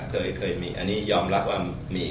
ค่ะขดเพื่อไขมี